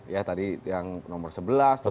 ya tadi yang nomor sebelas nomor sembilan belas